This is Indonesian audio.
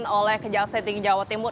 oleh kejaksaan tinggi jawa timur